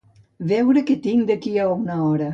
Veure què tinc d'aquí a una hora.